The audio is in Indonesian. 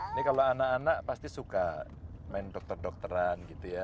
ini kalau anak anak pasti suka main dokter dokteran gitu ya